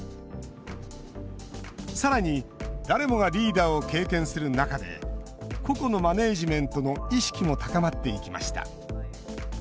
さらに、誰もがリーダーを経験する中で個々のマネージメントの意識も高まっていきました。